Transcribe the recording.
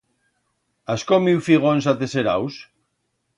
Has comiu figons ateseraus?